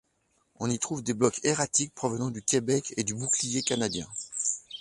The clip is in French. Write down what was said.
On y trouve des blocs erratiques provenant du Québec et du Bouclier canadien.